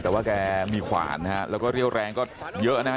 แต่ว่าแกมีขวานนะฮะแล้วก็เรี่ยวแรงก็เยอะนะฮะ